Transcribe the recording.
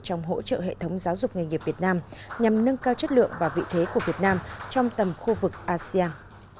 trong hỗ trợ hệ thống giáo dục nghề nghiệp việt nam nhằm nâng cao chất lượng và vị thế của việt nam trong tầm khu vực asean